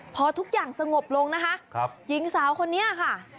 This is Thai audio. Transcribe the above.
พอทุกอย่างสงบลงนะคะหญิงสาวคนนี้ค่ะ